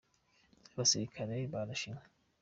Abasirikare barashe inka.